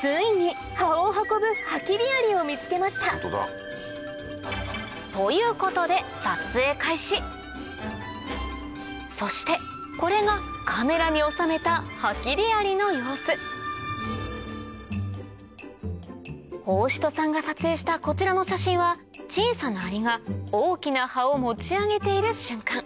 ついに葉を運ぶハキリアリを見つけましたということでそしてこれがカメラに収めたハキリアリの様子法師人さんが撮影したこちらの写真は小さなアリが大きな葉を持ち上げている瞬間